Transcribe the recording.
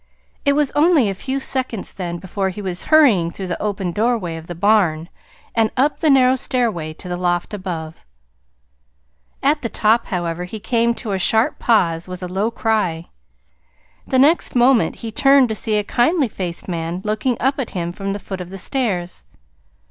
It was only a few seconds then before he was hurrying through the open doorway of the barn and up the narrow stairway to the loft above. At the top, however, he came to a sharp pause, with a low cry. The next moment he turned to see a kindly faced man looking up at him from the foot of the stairs.